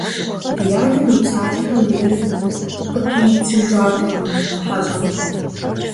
Ди адэм и псалъэхэм зыри къыпидзыжатэкъым хьэщӀэм.